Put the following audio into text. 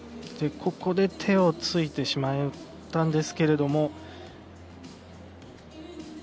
そして、ここで手をついてしまったんですけれども。